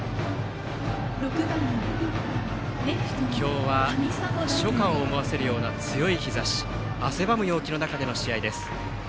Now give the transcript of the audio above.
今日は初夏を思わせるような強い日ざし汗ばむ陽気の中での試合です。